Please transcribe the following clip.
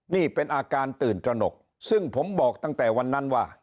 นี่เป็นอาการตื่นตระหนกซึ่งผมบอกตั้งแต่วันนั้นว่า